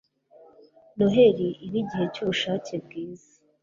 noheri ibe igihe cyubushake bwiza